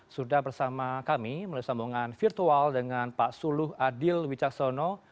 sudah bersama kami melalui sambungan virtual dengan pak suluh adil wicaksono